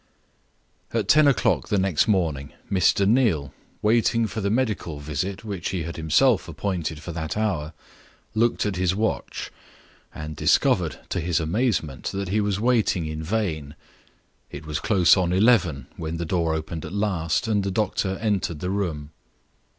AT ten o'clock the next morning, Mr. Neal waiting for the medical visit which he had himself appointed for that hour looked at his watch, and discovered, to his amazement, that he was waiting in vain. It was close on eleven when the door opened at last, and the doctor entered the room.